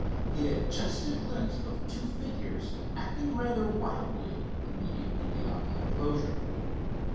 He had just a glimpse of two figures acting rather wildly immediately beyond the enclosure.